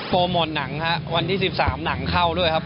โมทหนังฮะวันที่๑๓หนังเข้าด้วยครับ